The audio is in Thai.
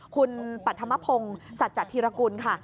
คุณปัฒนธรรมพงศ์สัจจัดธิรกุลค่ะ